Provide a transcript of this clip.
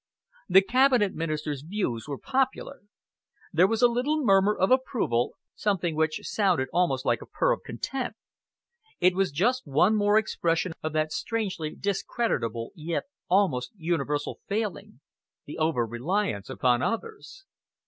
The Cabinet Minister's views were popular. There was a little murmur of approval, something which sounded almost like a purr of content. It was just one more expression of that strangely discreditable yet almost universal failing, the over reliance upon others.